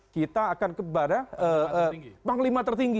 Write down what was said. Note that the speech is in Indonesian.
kita akan kepada panglima tertinggi